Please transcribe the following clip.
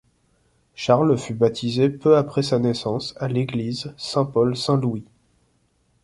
Charles fut baptisé peu après sa naissance à l'Église Saint-Paul-Saint-Louis.